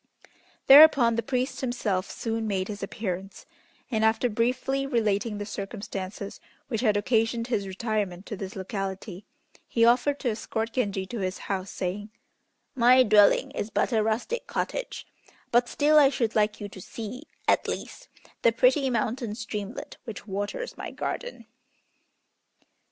Thereupon the priest himself soon made his appearance, and, after briefly relating the circumstances which had occasioned his retirement to this locality, he offered to escort Genji to his house, saying, "My dwelling is but a rustic cottage, but still I should like you to see, at least, the pretty mountain streamlet which waters my garden."